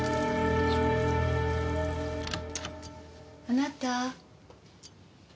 あなた。